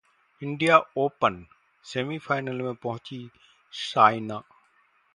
India open: semifinal में पहुंचीं सायना